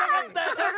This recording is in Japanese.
ちょっと！